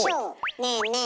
ねえねえ